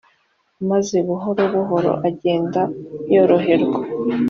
maze buhoro buhoro agenda yoroherwa